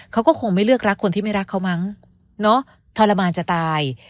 เขาก็คงไม่เลือกรักคนที่ไม่รักเขามั้งเนาะทรมานจะตาย